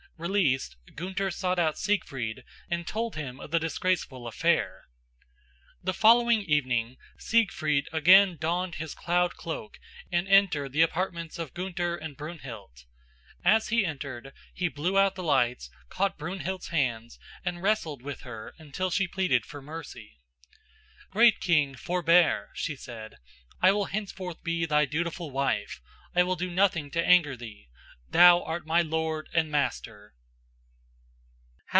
Released, Gunther sought out Siegfried and told him of the disgraceful affair. The following evening Siegfried again donned his cloud cloak and entered the apartments of Gunther and Brunhild. As he entered he blew out the lights, caught Brunhild's hands and wrestled with her until she pleaded for mercy. "Great king, forbear," she said. "I will henceforth be thy dutiful wife. I will do nothing to anger thee. Thou art my lord and master."